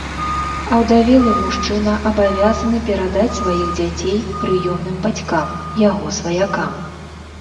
Аўдавелы мужчына абавязаны перадаць сваіх дзяцей прыёмным бацькам, яго сваякам.